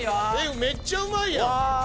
めっちゃうまいやん！